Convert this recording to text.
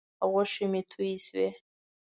غوښې مې تویې شوې.